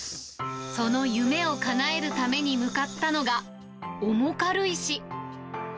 その夢をかなえるために向かったのが、重軽石。